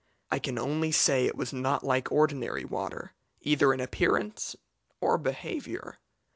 I can only say it was not like ordinary water, either in appearance or behaviour.